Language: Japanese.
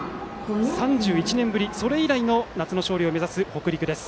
３１年ぶりの夏の勝利を目指す北陸です。